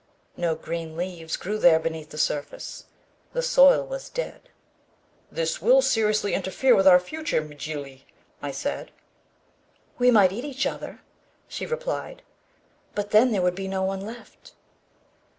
No green leaves grew there beneath the surface. The soil was dead. "This will seriously interfere with our future, Mjly," I said. "We might eat each other," she replied, "but then there would be no one left."